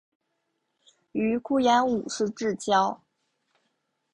与顾炎武是至交。